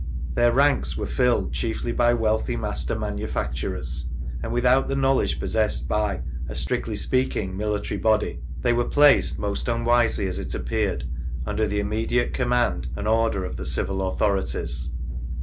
Their ranks vGoogIc 50 THREE ACCOUNTS OF PETERLOO were filled chiefly by wealthy master manufac turers; and without the knowledge possessed by a (strictly speaking) military body, they were placed, most unwisely, as it appeared, under the immediate command and order of the civil authorities.